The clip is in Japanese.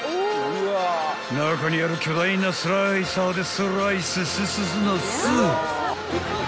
［中にある巨大なスライサーでスライススススのス］